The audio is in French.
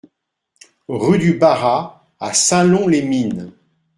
Rue du Barrat à Saint-Lon-les-Mines